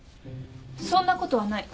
そんなことはない。